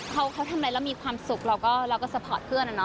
เขาทำอะไรเรามีความสุขเราก็สปอร์ตเพื่อน